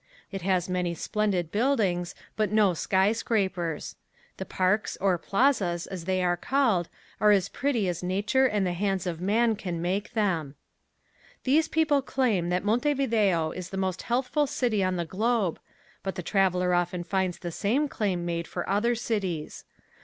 It has many splendid buildings, but no skyscrapers. The parks or plazas as they are called, are as pretty as nature and the hands of man can make them. These people claim that Montevideo is the most healthful city on the globe, but the traveler often finds the same claim made for other cities.